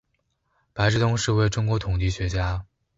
白志东是一位中国统计学家。